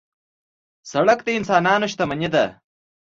سړک د انسانانو شتمني ده.